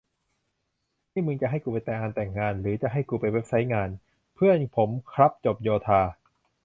นี่มึงจะให้กูไปงานแต่งงาน หรือจะให้กูไปไซต์งาน ? เพื่อนผมครับจบโยธา